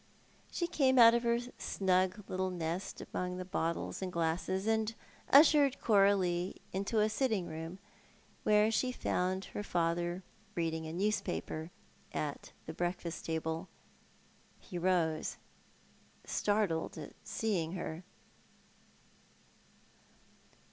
She came out of her snug little nest among the bottles and glasses, and ushered Coralie into a sitting room where she found her father reading a newspaper at the breakfast table. He rose, startled at seeing her.